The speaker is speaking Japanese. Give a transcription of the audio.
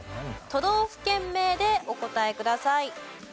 都道府県名でお答えください。